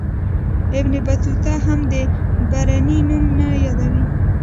ابن بطوطه هم د برني نوم نه یادوي.